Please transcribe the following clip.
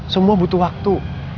semua butuh waktu